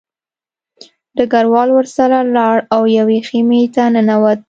ډګروال ورسره لاړ او یوې خیمې ته ننوت